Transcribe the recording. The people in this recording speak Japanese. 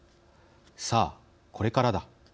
「さあこれからだ！」